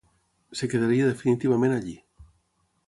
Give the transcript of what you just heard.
Es quedaria definitivament allí.